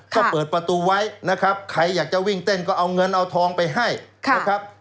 ก็เปิดประตูไว้นะครับใครอยากจะวิ่งเต้นก็เอาเงินเอาทองไปให้นะครับ